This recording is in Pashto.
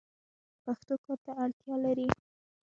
پښتو کار ته اړتیا لري.